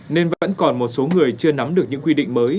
nên vẫn còn một số người chưa nắm được những quy định mới